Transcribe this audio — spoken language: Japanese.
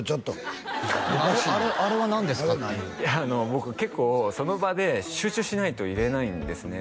僕結構その場で集中しないといれないんですね